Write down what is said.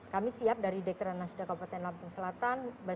kami siap dari dekranasda kabupaten lampung selatan